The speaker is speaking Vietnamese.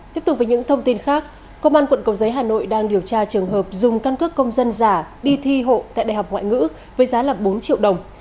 tiếp tục với những thông tin khác công an quận cầu giấy hà nội đang điều tra trường hợp dùng căn cước công dân giả đi thi hộ tại đại học ngoại ngữ với giá bốn triệu đồng